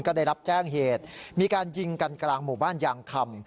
ก็ได้รับแจ้งเหตุมีการยิงกันกลางหมู่บ้านยางคำ